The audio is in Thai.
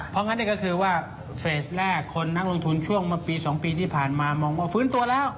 เพราะงั้นนี่ก็คือว่าเฟสแรกคนนักลงทุนช่วงเมื่อปี๒ปีที่ผ่านมามองว่าฟื้นตัวแล้ว